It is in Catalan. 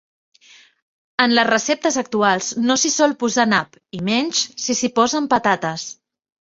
En les receptes actuals no s'hi sol posar nap i menys, si s'hi posen patates.